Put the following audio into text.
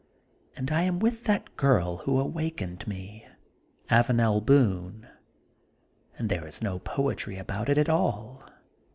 And I am with that girl who awakened me, Avanel Boone, and there is no poetry about it at all.